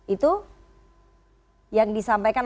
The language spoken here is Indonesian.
itu yang disampaikan